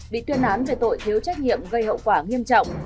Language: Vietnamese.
bị tuyên án về tội thiếu trách nhiệm gây hậu quả nghiêm trọng